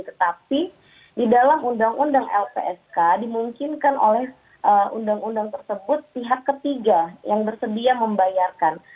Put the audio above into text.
tetapi di dalam undang undang lpsk dimungkinkan oleh undang undang tersebut pihak ketiga yang bersedia membayarkan